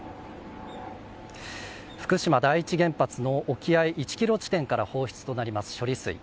福島第一原発の沖合１ｋｍ地点から放出となります処理水。